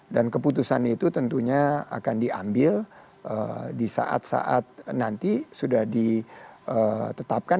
dan keputusan itu tentunya akan diambil di saat saat nanti sudah ditetapkan